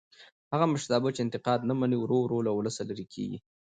هغه مشرتابه چې انتقاد نه مني ورو ورو له ولسه لرې کېږي